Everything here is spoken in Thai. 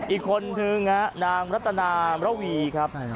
อีกคนนึงนางรัตนามระวีครับ